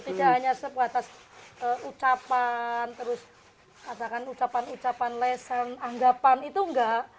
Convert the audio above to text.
tidak hanya sebatas ucapan terus katakan ucapan ucapan lesen anggapan itu enggak